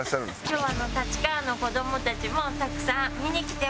今日は立川の子どもたちもたくさん見に来てます。